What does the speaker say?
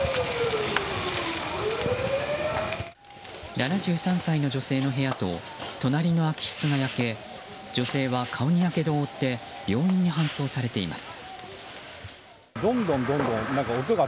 ７３歳の女性の部屋と隣の空き室が焼け女性は顔にやけどを負って病院に搬送されています。